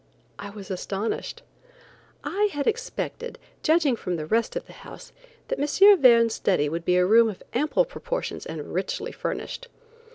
I was astonished. I had expected, judging from the rest of the house, that M. Verne's study would be a room of ample proportions and richly furnished.